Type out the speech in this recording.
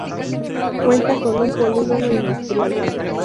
Cuenta con un polígono industrial.